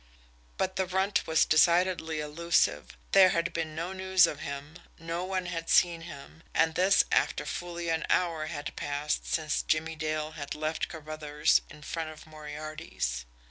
But the Runt was decidedly elusive. There had been no news of him, no one had seen him and this after fully an hour had passed since Jimmie Dale had left Carruthers in front of Moriarty's.